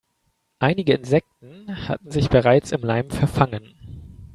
Einige Insekten hatten sich bereits im Leim verfangen.